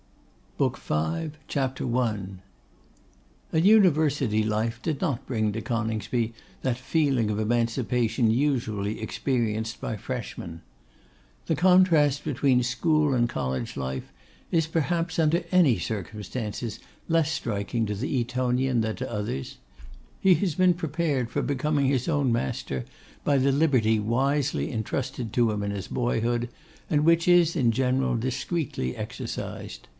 BOOK V. CHAPTER I. An University life did not bring to Coningsby that feeling of emancipation usually experienced by freshmen. The contrast between school and college life is perhaps, under any circumstances, less striking to the Etonian than to others: he has been prepared for becoming his own master by the liberty wisely entrusted to him in his boyhood, and which is, in general, discreetly exercised.